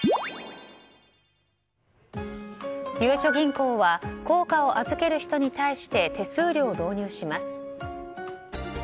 ゆうちょ銀行は硬貨を預ける人に対して手数料を導入します。